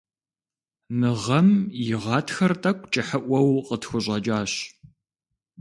Мы гъэм и гъатхэр тӀэкӀу кӀыхьыӀуэу къытхущӀэкӀащ.